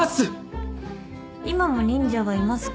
「今も忍者はいますか？」